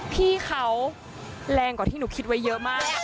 พี่เขาแรงกว่าที่หนูคิดไว้เยอะมาก